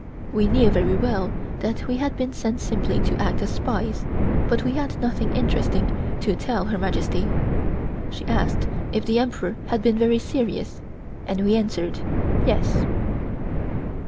We knew very well that we had been sent simply to act as spies, but we had nothing interesting to tell Her Majesty. She asked if the Emperor had been very serious and we answered "Yes."